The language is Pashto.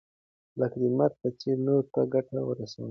لکه د لمر په څېر نورو ته ګټه ورسوئ.